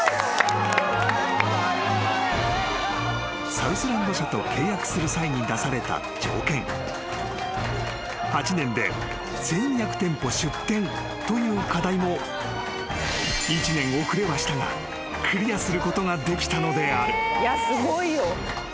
［サウスランド社と契約する際に出された条件８年で１，２００店舗出店という課題も１年遅れはしたがクリアすることができたのである］